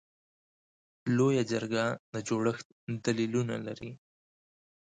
لویه جرګه د جوړښت دلیلونه لري.